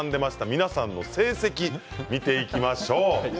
皆さんの成績を見ていきましょう。